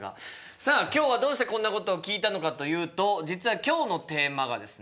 さあ今日はどうしてこんなことを聞いたのかというと実は今日のテーマがですね